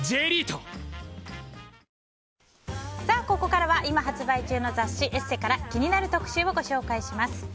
ここからは今発売中の雑誌「ＥＳＳＥ」から気になる特集をご紹介します。